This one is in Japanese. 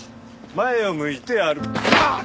前を向いて歩あっ！